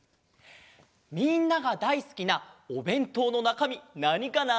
みんながだいすきなおべんとうのなかみなにかな？